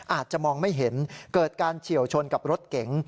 อาจจะมองไม่เห็นเกิดการเฉียวชนกับรถเก๋ง